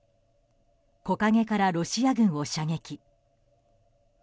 木陰からロシア軍を射撃。